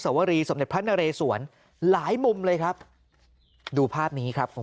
สวรรค์สมเด็จพระนเรสวรรค์หลายมุมเลยครับดูภาพนี้ครับของ